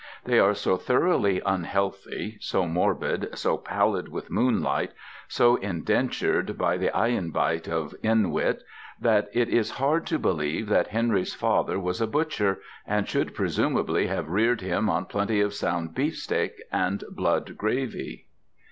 They are so thoroughly unhealthy, so morbid, so pallid with moonlight, so indentured by the ayenbite of inwit, that it is hard to believe that Henry's father was a butcher and should presumably have reared him on plenty of sound beefsteak and blood gravy.